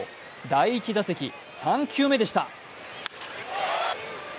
第１打席、３球目でした。